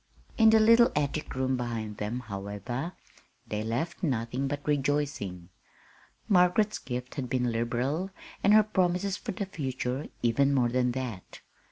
In the little attic room behind them, however, they left nothing but rejoicing. Margaret's gifts had been liberal, and her promises for the future even more than that.